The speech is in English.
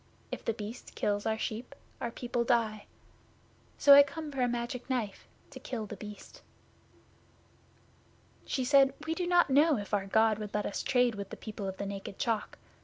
If The Beast kills our sheep, our people die. So I come for a Magic Knife to kill The Beast." 'She said, "We do not know if our God will let us trade with the people of the Naked Chalk.